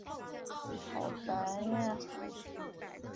其中亦可能夹有少数汉语成分。